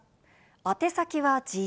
宛て先は自由。